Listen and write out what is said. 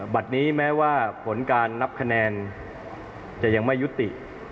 บัตรนี้แม้ว่าผลการนับคะแนนจะยังไม่ยุติ